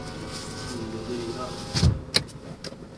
ungluringaarpenga